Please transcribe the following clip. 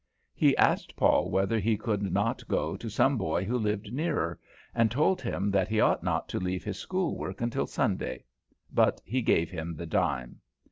He asked Paul whether he could not go to some boy who lived nearer, and told him that he ought not to leave his school work until Sunday; but he gave him the dime.